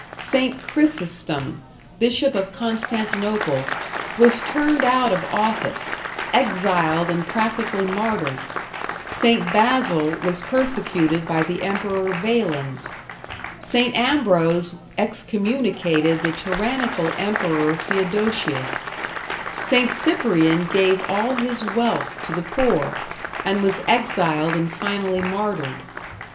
St. Chrysostom, Bishop of Constantinople, was turned out of office, exiled and practically martyred; St. Basil was persecuted by the Emperor Valens; St. Ambrose excommunicated the tyrannical Emperor Theodosius; St. Cyprian gave all his wealth to the poor, and was exiled and finally martyred.